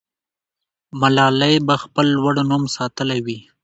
ملالۍ به خپل لوړ نوم ساتلی وي.